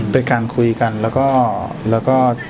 เป็นการคุยกันแล้วก็